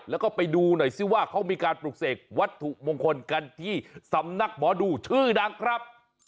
แล้วก็ไปดูหน่อยซิว่าเขามีการปลูกเสกวัตถุมงคลกันที่สำนักหมอดูชื่อดังครับ